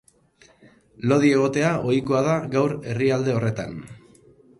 Lodi egotea ohikoa da gaur herrialde horretan.